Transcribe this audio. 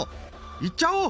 言っちゃおう！